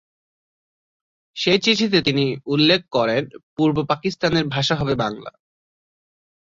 সেই চিঠিতে তিনি উল্লেখ করেন পূর্ব পাকিস্তানের ভাষা হবে বাংলা।